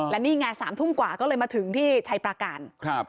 และนี่ไง๓ทุ่มกว่าก็เลยมาถึงที่ชัยประการ